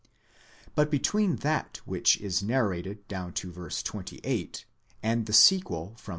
But between that which is narrated down to v. 28, and the sequel from v.